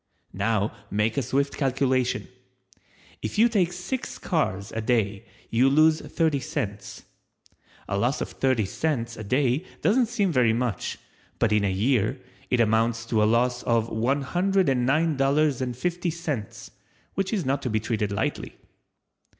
Now make a swift calculation— If you take six cars a day you lose thirty cents. A loss of thirty cents a day doesn't seem very much, but in a year, it amounts to a loss of $109.50 which is not to be treated lightly.